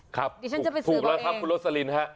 ครับถูกแล้วครับคุณโรสลินค่ะ